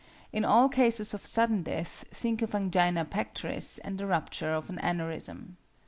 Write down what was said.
In all cases of sudden death think of angina pectoris and the rupture of an aneurism.